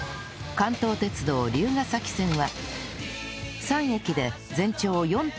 関東鉄道竜ヶ崎線は。